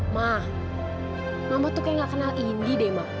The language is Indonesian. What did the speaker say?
mah mama tuh kayak gak kenal indi deh ma